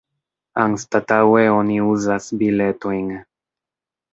Anstataŭe oni uzas biletojn.